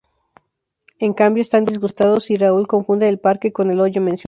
En cambio, están disgustados, y Raúl confunde el parque con el hoyo mencionado.